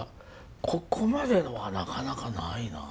ここまでのはなかなかないなあ。